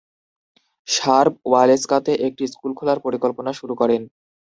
Sharp, ওয়ালেস্কাতে একটি school খোলার পরিকল্পনা শুরু করেন।